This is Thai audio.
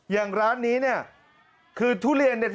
อย่างร้านนี้